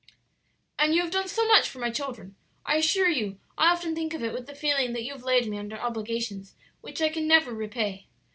"And you have done so much for my children! I assure you I often think of it with the feeling that you have laid me under obligations which I can never repay."